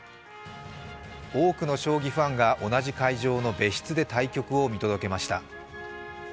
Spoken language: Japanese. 多くの将棋ファンが同じ会場の別室で対局を見届けました。